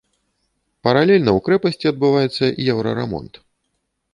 Паралельна ў крэпасці адбываецца еўрарамонт.